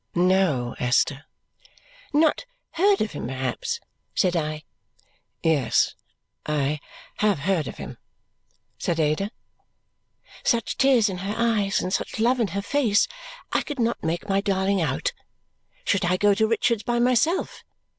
"No, Esther." "Not heard of him, perhaps?" said I. "Yes, I have heard of him," said Ada. Such tears in her eyes, and such love in her face. I could not make my darling out. Should I go to Richard's by myself?